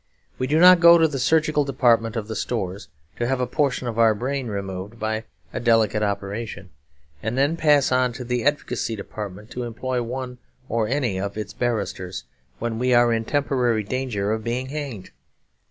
We do not go to the surgical department of the Stores to have a portion of our brain removed by a delicate operation; and then pass on to the advocacy department to employ one or any of its barristers, when we are in temporary danger of being hanged.